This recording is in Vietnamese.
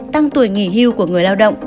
tăng tuổi nghỉ hưu của các người